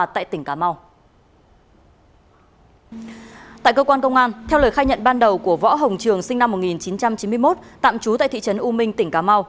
tại cơ quan công an theo lời khai nhận ban đầu của võ hồng trường sinh năm một nghìn chín trăm chín mươi một tạm trú tại thị trấn u minh tỉnh cà mau